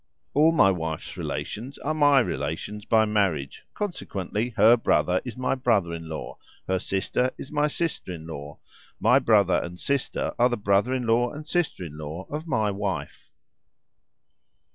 All my wife's relations are my relations by marriage, consequently her brother is my brother in law, her sister is my sister in law; my brother and sister are the brother in law and sister in law of my wife.